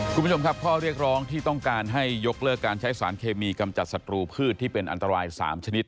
คุณผู้ชมครับข้อเรียกร้องที่ต้องการให้ยกเลิกการใช้สารเคมีกำจัดศัตรูพืชที่เป็นอันตราย๓ชนิด